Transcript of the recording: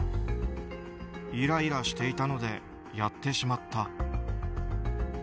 イライラしていたのでやってしまった。